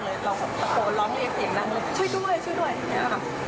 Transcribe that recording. คิดว่าเขากองดัสและครับ